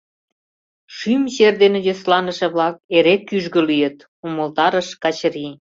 — Шӱм чер дене йӧсланыше-влак эре кӱжгӧ лийыт, — умылтарыш Качырий.